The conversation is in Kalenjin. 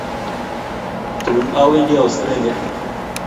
Tuun awendi Australia.